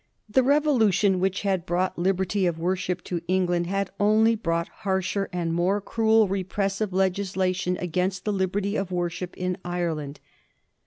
The Revolution, which had brought lib erty of worship to England, had only brought harsher and more cruel repressive legislation against liberty of worship in Ireland.